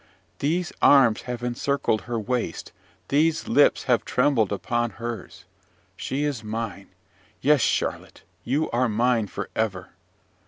These arms have encircled her waist, these lips have trembled upon hers. She is mine! Yes, Charlotte, you are mine for ever!